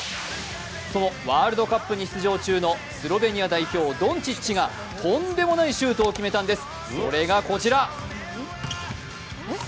そのワールドカップに出場中のスロベニア代表ドンチッチがとんでもないシュートを決めたんですそれがこちら！